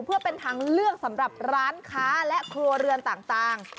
เพื่อเป็นทางเลือกสำหรับร้านค้าและครัวเรือนต่าง